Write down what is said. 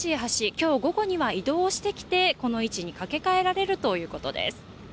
今日、午後には移動してきて、この位置に架け替えられるということです。